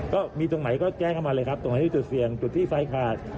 ก็มีตรงไหนก็แจ้งเข้ามาเลยครับตรงไหนที่จุดเสี่ยงจุดที่ไฟขาด